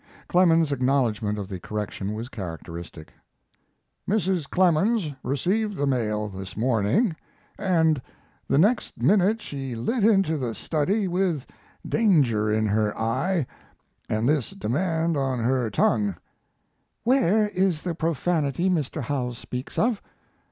Clemens's acknowledgment of the correction was characteristic: Mrs. Clemens received the mail this morning, and the next minute she lit into the study with danger in her eye and this demand on her tongue, "Where is the profanity Mr. Howells speaks of?"